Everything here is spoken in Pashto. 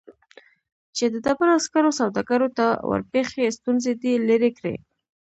چې د ډبرو سکرو سوداګرو ته ورپېښې ستونزې دې لیرې کړي